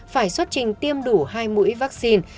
phải xuất trình tiêm đủ hai mũi vaccine